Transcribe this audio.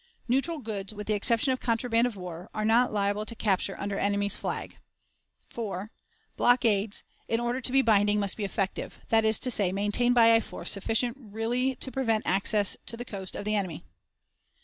Neutral goods, with the exception of contraband of war, are not liable to capture under enemy's flag. "4. Blockades, in order to be binding must be effective, that is to say, maintained by a force sufficient really to prevent access to the coast of the enemy."